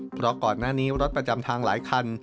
เพราะก่อนหน้านี้รถประจำทางหลายคัน